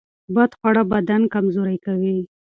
بد خواړه بدن کمزوری کوي.